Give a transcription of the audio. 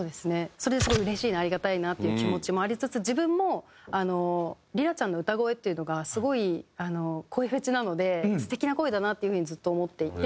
それですごいうれしいなありがたいなっていう気持ちもありつつ自分もりらちゃんの歌声っていうのがすごい声フェチなので素敵な声だなっていう風にずっと思っていて。